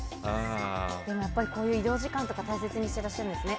でも移動時間とか大切にしてらっしゃるんですね。